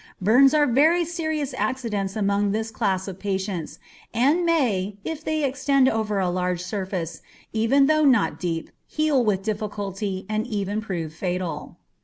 Burns are very serious accidents among this class of patients, and may, if they extend over a large surface, even though not deep, heal with difficulty, and even prove fatal.